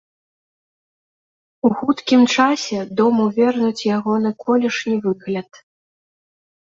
У хуткім часе дому вернуць ягоны колішні выгляд.